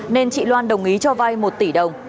nên chị loan đồng ý cho vay một tỷ đồng